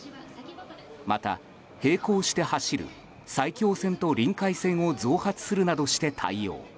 また、並行して走る埼京線とりんかい線を増発するなどして対応。